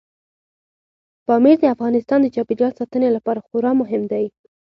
پامیر د افغانستان د چاپیریال ساتنې لپاره خورا مهم دی.